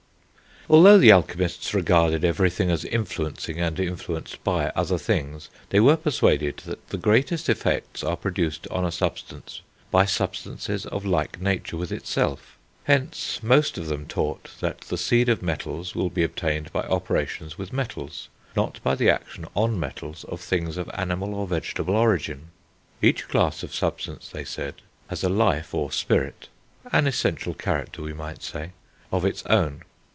Although the alchemists regarded everything as influencing, and influenced by, other things, they were persuaded that the greatest effects are produced on a substance by substances of like nature with itself. Hence, most of them taught that the seed of metals will be obtained by operations with metals, not by the action on metals of things of animal or vegetable origin. Each class of substances, they said, has a life, or spirit (an essential character, we might say) of its own.